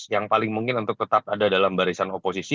yang paling mungkin untuk tetap ada dalam barisan oposisi